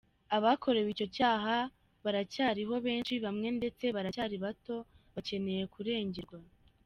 Abakorewe icyo cyaha baracyariho benshi, bamwe ndetse baracyari bato, bakeneye kurengerwa.